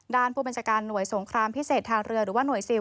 ด้านผู้บัญชาการหน่วยสงครามพิเศษทางเรือหรือว่าหน่วยซิล